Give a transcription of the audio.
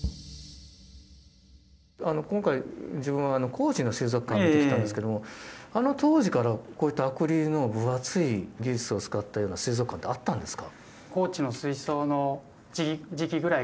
今回自分は高知の水族館を見てきたんですけどもあの当時からこういったアクリルの分厚い技術を使ったような水族館ってあったんですか？